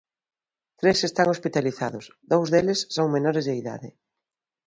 Tres están hospitalizados, dous deles son menores de idade.